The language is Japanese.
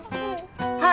はい。